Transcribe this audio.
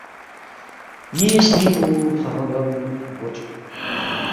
نی سنینگپو فنگمہ گنگ گو چوک